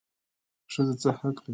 ښځه څه حق لري؟